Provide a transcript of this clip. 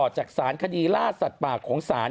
จากสารคดีล่าสัตว์ปากของสาร